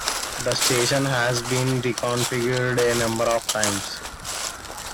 The station has been reconfigured a number of times.